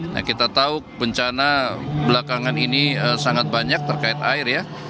nah kita tahu bencana belakangan ini sangat banyak terkait air ya